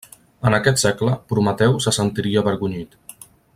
En aquest segle Prometeu se sentiria avergonyit.